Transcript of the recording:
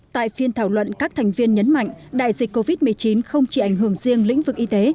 tại phiên thảo luận các thành viên nhấn mạnh đại dịch covid một mươi chín không chỉ ảnh hưởng riêng lĩnh vực y tế